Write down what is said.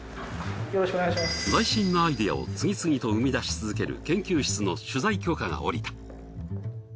斬新なアイデアを次々と生み出し続ける研究室の取材許可が下りた。